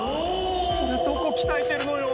それどこ鍛えてるのよ。